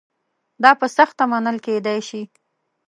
دا په سخته منل کېدای شي.